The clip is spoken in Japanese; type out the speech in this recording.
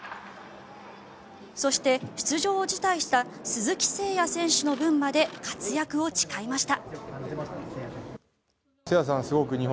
そして、出場を辞退した鈴木誠也選手の分まで活躍を誓いました。